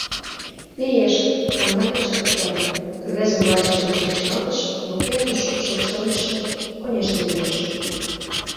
— Лиеш, — Кандалин шыргыжале, рвезым вачыж гыч вӱчкалтыш, воктенже шупшыл шындыше — Конешне, лиеш...